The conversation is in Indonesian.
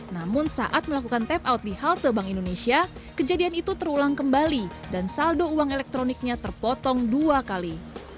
namun saat melakukan tap out di halte bank indonesia kejadian itu terulang kembali dan saldo uang elektroniknya terpotong dua kali